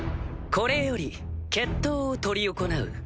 これより決闘を執り行う。